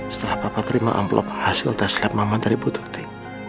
setelah papa terima amplop hasil tes lab mama dari bututi